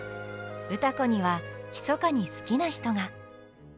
歌子にはひそかに好きな人が。